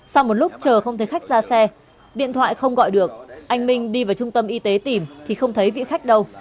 sau một lúc chờ không thấy khách ra xe điện thoại không gọi được anh minh đi vào trung tâm y tế tìm thì không thấy vị khách đâu